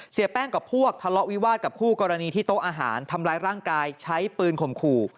เสียแป้งกับพวกทะเลาะวิวาสกับคู่กรณีที่โต๊ะอาหารทำร้ายร่างกายใช้ปืนข่มขู่